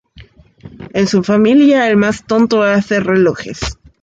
En su familia, el más tonto hace relojes